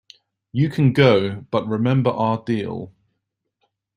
You can go, but remember our deal.